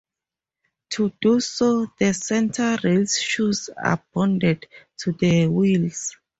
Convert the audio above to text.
To do so, the centre-rail shoes are bonded to the wheels.